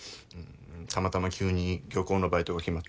たまたま急に漁港のバイトが決まって。